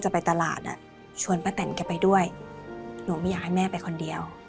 ไปตลาดอ่ะชวนป้าแตนแกไปด้วยหนูไม่อยากให้แม่ไปคนเดียว